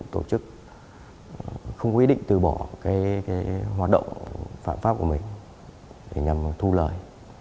tổ chức không quyết định từ bỏ hoạt động phạm pháp của mình để nhằm thu lời